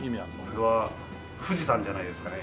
これは富士山じゃないですかね？